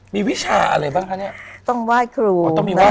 มีวิชาอะไรบ้างคะเนี่ย